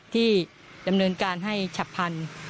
ที่ดำเนินการให้ฉับพันธุ์